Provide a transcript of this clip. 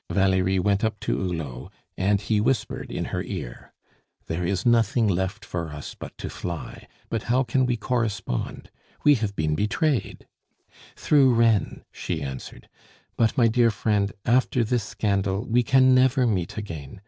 Valerie went up to Hulot, and he whispered in her ear: "There is nothing left for us but to fly, but how can we correspond? We have been betrayed " "Through Reine," she answered. "But my dear friend, after this scandal we can never meet again.